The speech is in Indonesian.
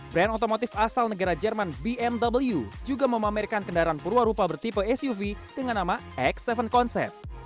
brand otomotif asal negara jerman bmw juga memamerkan kendaraan purwarupa bertipe suv dengan nama x tujuh concept